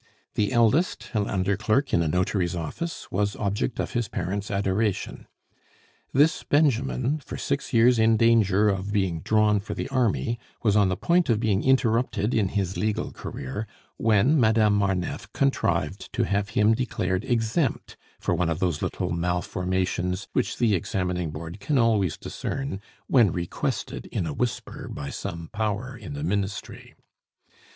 The eldest, an under clerk in a notary's office, was object of his parents' adoration. This Benjamin, for six years in danger of being drawn for the army, was on the point of being interrupted in his legal career, when Madame Marneffe contrived to have him declared exempt for one of those little malformations which the Examining Board can always discern when requested in a whisper by some power in the ministry.